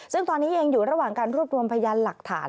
ซึ่งตอนนี้ยังอยู่ระหว่างการรวบรวมพยานหลักฐาน